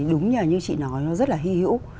đúng như chị nói nó rất là hy hữu